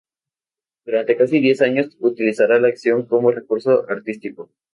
Durante casi diez años utilizará la acción como recurso artístico.